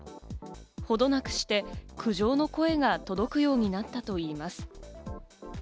ほどなくして苦情の声が届くようになったといいます。